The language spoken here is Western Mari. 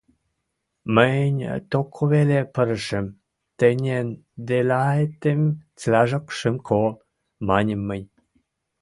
— Мӹнь токо веле пырышым, тӹньӹн делаэтӹм цилӓжок шӹм кол, — маньым мӹнь.